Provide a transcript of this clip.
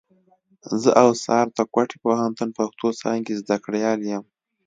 زه اوڅار د کوټي پوهنتون پښتو څانګي زدهکړيال یم.